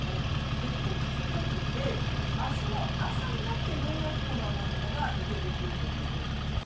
結構、しつこくて明日の朝になって、ようやく雨雲が抜けてくるという状況ですね。